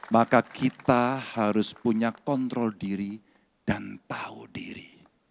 maka kita harus punya kontrol diri dan tahu diri